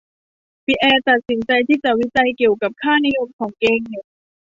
ปิแอร์ตัดสินใจที่จะวิจัยเกี่ยวกับค่านิยมของเกย์